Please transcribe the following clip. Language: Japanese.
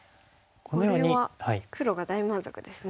これは黒が大満足ですね。